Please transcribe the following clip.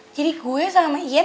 jadi gue sama ian